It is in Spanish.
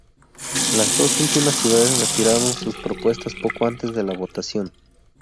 Las dos últimas ciudades retiraron sus propuestas poco antes de la votación.